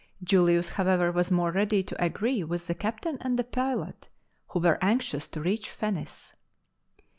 Julius, however, was more ready to agree with the captain and the pilot, who were anxious to reach Phenice.